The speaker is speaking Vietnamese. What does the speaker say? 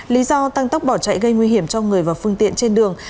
lý do tăng tốc bỏ chạy gây nguy hiểm cho người và phương tiện trên đường